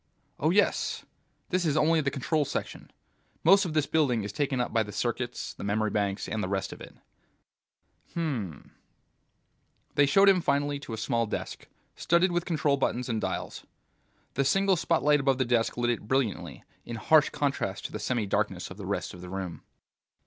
"Oh yes; this is only the control section. Most of this building is taken up by the circuits, the memory banks, and the rest of it." "Hm m m." [Illustration: ILLUSTRATED BY SCHELLING] They showed him finally to a small desk, studded with control buttons and dials. The single spotlight above the desk lit it brilliantly, in harsh contrast to the semidarkness of the rest of the room.